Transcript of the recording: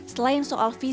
selain soal pendidikan